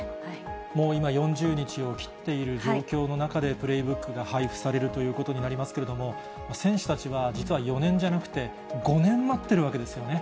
もう今４０日を切っている状況の中で、プレイブックが配布されるということになりますけれども、選手たちは、実は４年じゃなくて、５年待ってるわけですよね。